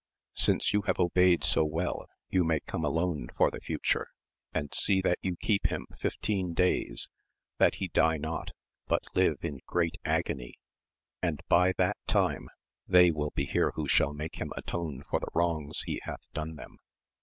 Since you have obeyed so well you may come alone for the future, and see that you keep him fifteen days, that he die not, but live in great agony, and by that time VOL. n. ^ 66 AMADIS OF GAUL they will be here who shall make him atone for the wrongs he hath done them.